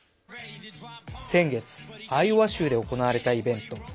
先月、アイオワ州で行われたイベント。